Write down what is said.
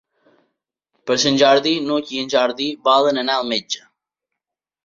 Per Sant Jordi n'Hug i en Jordi volen anar al metge.